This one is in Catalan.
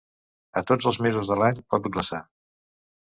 A tots els mesos de l'any pot glaçar.